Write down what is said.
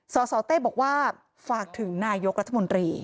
สสเต้บอกว่าฝากถึงนายกรัฐมนตรี